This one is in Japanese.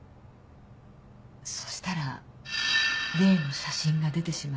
そしたら例の写真が出てしまって。